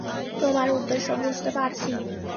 তোমার উদ্দেশ্য বুঝতে পারছি।